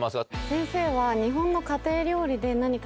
先生は。